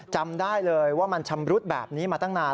จำได้เลยว่ามันชำรุดแบบนี้มาตั้งนาน